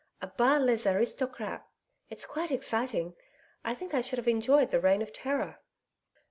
A BAS LES ARISTOCRATS. It's quite exciting. I think I should have enjoyed the Reign of Terror.'